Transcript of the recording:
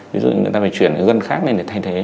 ví dụ như người ta phải chuyển cái gân khác lên để thay thế